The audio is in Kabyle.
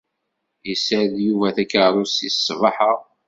Yessareḍ Yuba Takeṛṛust-is ṣṣbeḥ-a.